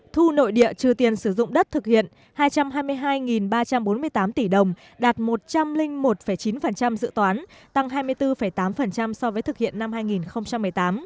thu nội địa trừ tiền sử dụng đất thực hiện hai trăm hai mươi hai ba trăm bốn mươi tám tỷ đồng đạt một trăm linh một chín dự toán tăng hai mươi bốn tám so với thực hiện năm hai nghìn một mươi tám